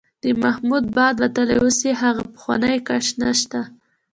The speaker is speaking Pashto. د محمود باد وتلی، اوس یې هغه پخوانی کش نشته.